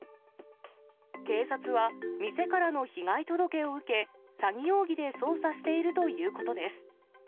警察は、店からの被害届を受け、詐欺容疑で捜査しているということです。